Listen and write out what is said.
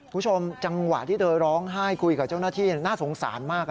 คุณผู้ชมจังหวะที่เธอร้องไห้คุยกับเจ้าหน้าที่น่าสงสารมาก